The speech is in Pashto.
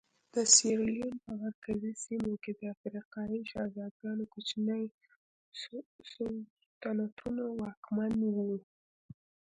د سیریلیون په مرکزي سیمو کې د افریقایي شهزادګانو کوچني سلطنتونه واکمن وو.